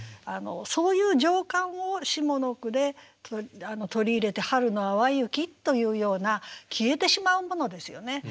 そういう情感を下の句で取り入れて「はるのあはゆき」というような消えてしまうものですよね。